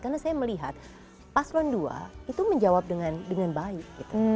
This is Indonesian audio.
karena saya melihat paslon dua itu menjawab dengan baik gitu